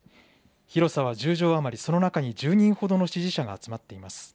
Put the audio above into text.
広さは１０畳余り、その中に１０人ほどの支持者が集まっています。